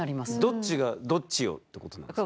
どっちがどっちをってことなんですか？